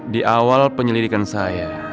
di awal penyelidikan saya